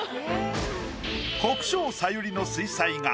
国生さゆりの水彩画